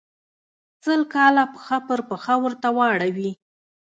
سل کاله پښه پر پښه ورته واړوي.